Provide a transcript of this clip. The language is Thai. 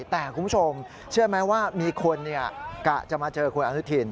แต่คุณผู้ชมเชื่อไหมว่ามีคนกะจะมาเจอคุณอนุทิน